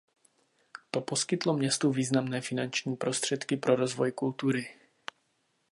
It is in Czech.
To poskytlo městu významné finanční prostředky pro rozvoj kultury.